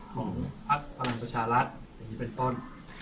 ของพัทธ์ฝรั่งประชารัฐอย่างนี้เป็นต้น